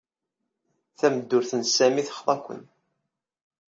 Tameddurt n Sami texḍa-ken.